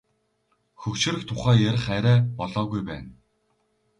Хөгшрөх тухай ярих арай болоогүй байна.